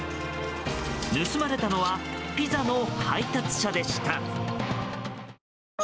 盗まれたのはピザの配達車でした。